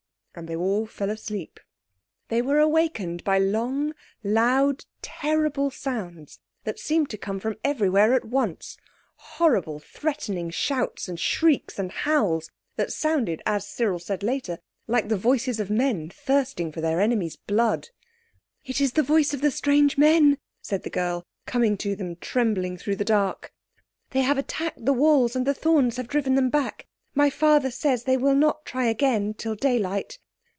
And they all fell asleep. They were awakened by long, loud, terrible sounds that seemed to come from everywhere at once—horrible threatening shouts and shrieks and howls that sounded, as Cyril said later, like the voices of men thirsting for their enemies' blood. "It is the voice of the strange men," said the girl, coming to them trembling through the dark. "They have attacked the walls, and the thorns have driven them back. My father says they will not try again till daylight.